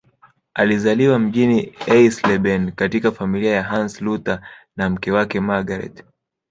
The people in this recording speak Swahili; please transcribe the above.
Alizaliwa mjini Eisleben katika familia ya Hans Luther na mke wake Margarethe